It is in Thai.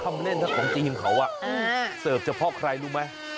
คำแน่นของจีนเขาเสิร์ฟจะเพราะใครรู้ไหม